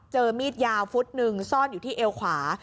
มีดยาวฟุตหนึ่งซ่อนอยู่ที่เอวขวา